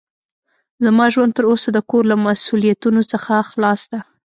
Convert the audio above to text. زما ژوند تر اوسه د کور له مسوؤليتونو څخه خلاص ده.